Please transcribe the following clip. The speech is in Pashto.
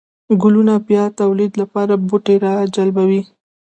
گلونه د بيا توليد لپاره بوټي راجلبوي